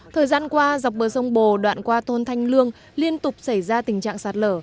thời gian qua dọc bờ sông bồ đoạn qua tôn thanh lương liên tục xảy ra tình trạng sạt lở